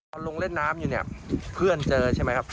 พอลงเล่นน้ำอยู่เนี่ยเพื่อนเจอใช่ไหมครับ